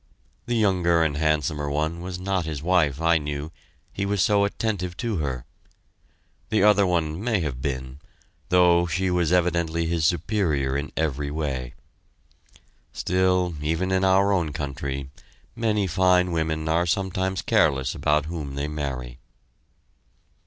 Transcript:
The younger and handsomer one was not his wife, I knew he was so attentive to her. The other one may have been, though she was evidently his superior in every way. Still, even in our own country very fine women are sometimes careless about whom they marry.